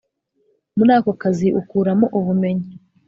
muri ako kazi ukuramo ubumenyi